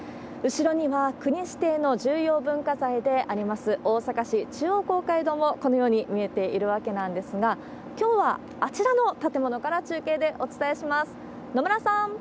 後ろには、国指定の重要文化財であります、大阪市中央公会堂もこのように見えているわけなんですが、きょうはあちらの建物から中継でお伝えします。